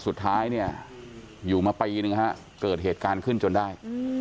สุดท้ายเนี่ยอยู่มาปีนึงฮะเกิดเหตุการณ์ขึ้นจนได้